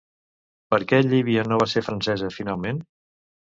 Per què Llívia no va ser francesa, finalment?